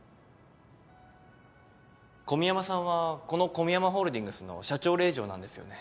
小宮山さんはこの小宮山ホールディングスの社長令嬢なんですよね。